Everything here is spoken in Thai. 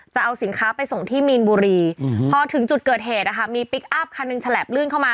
จะเอาสินค้าไปส่งที่มีนบุรีพอถึงจุดเกิดเหตุนะคะมีพลิกอัพคันหนึ่งฉลับลื่นเข้ามา